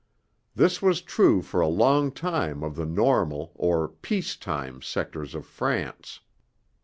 This was true for a long time of the normal, or 'peace time,' sectors of France.